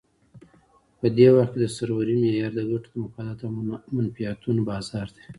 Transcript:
په دې وخت کې د سرورۍ معیار د ګټو، مفاداتو او منفعتونو بازار دی.